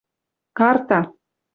Карта